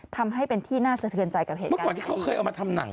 ทำให้เป็นที่น่าเศรินใจกับเหตุการณ์